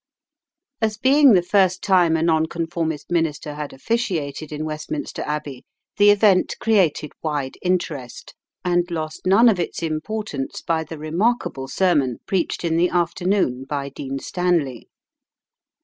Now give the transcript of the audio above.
As being the first time a Nonconformist minister had officiated in Westminster Abbey, the event created wide interest, and lost none of its importance by the remarkable sermon preached in the afternoon by Dean Stanley.